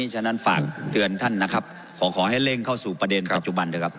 ฉะนั้นฝากเตือนท่านนะครับขอขอให้เร่งเข้าสู่ประเด็นปัจจุบันด้วยครับ